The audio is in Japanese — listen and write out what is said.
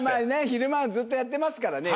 昼間ずっとやってますからね。